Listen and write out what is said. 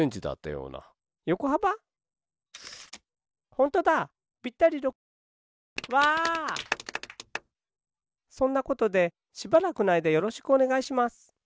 そんなことでしばらくのあいだよろしくおねがいします。